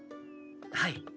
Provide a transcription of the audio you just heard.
はい。